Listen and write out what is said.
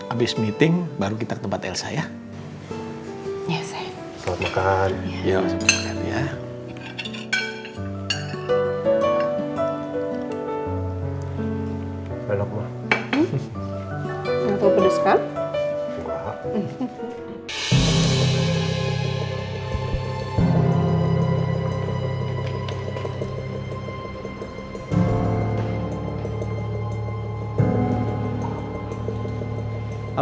abis meeting baru kita ke tempat elsa ya